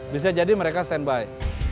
bisa jadi mereka standby